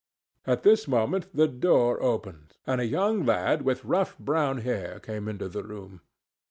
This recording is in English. At this moment, the door opened and a young lad with rough brown hair came into the room.